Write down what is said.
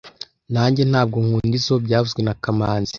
Nanjye ntabwo nkunda izoi byavuzwe na kamanzi